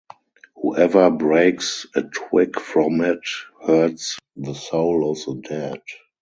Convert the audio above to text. Whoever breaks a twig from it hurts the soul of the dead.